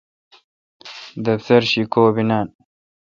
دفتر شی کوبی نان۔